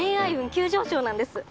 急上昇なんです。